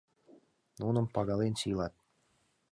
Нуным пагален сийлат.